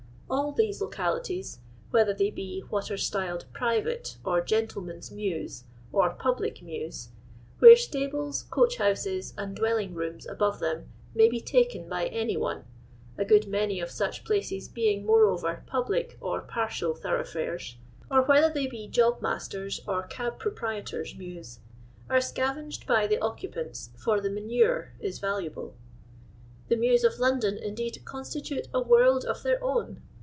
All these ItJcalities, whether they be what are styled Private or Gentlemen's Mews, or Pub lic Mews, where stables, coach houses, and dwell ing rooms above them, may be tiken by any one (a good many of such places being, moreover, public or partial thoroughfiires) ; or whether they bo job masters' or cab proprietors* mews; arc scavenged by the occupants, for the manure is valuable. The mews of London, indeed, constitute a world of their own.